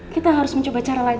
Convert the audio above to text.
kita harus mencoba cara lain